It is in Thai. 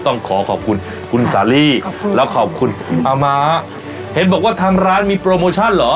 ต้องขอขอบคุณคุณสาลีแล้วขอบคุณอาม้าเห็นบอกว่าทางร้านมีโปรโมชั่นเหรอ